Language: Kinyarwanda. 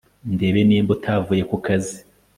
ndebe nimba utavuye kukazi